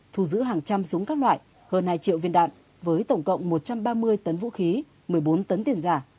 thu giữ hàng trăm súng các loại hơn hai triệu viên đạn với tổng cộng một trăm ba mươi tấn vũ khí một mươi bốn tấn tiền giả